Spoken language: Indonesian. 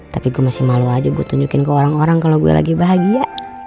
tapi gue masih malu aja gue tunjukin ke orang orang kalau gue lagi bahagia